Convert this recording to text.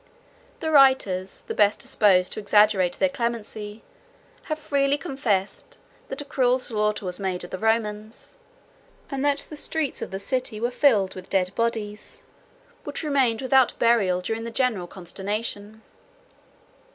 The writers, the best disposed to exaggerate their clemency, have freely confessed, that a cruel slaughter was made of the Romans; 101 and that the streets of the city were filled with dead bodies, which remained without burial during the general consternation.